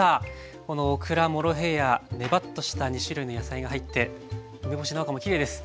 このオクラモロヘイヤネバッとした２種類の野菜が入って梅干しの赤もきれいです。